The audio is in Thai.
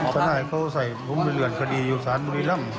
ถ้าตายเขาใช้พรุ่งมือเหลืองคดีอยู่ภาษาบุริลำ